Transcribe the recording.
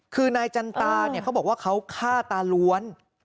คือนายจันตาเนี่ยเขาบอกว่าเขาฆ่าตาล้วน